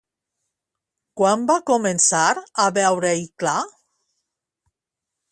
Quan va començar a veure-hi clar?